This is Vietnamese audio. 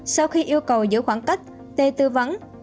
sau khi yêu cầu giữ khoảng cách tê tư vấn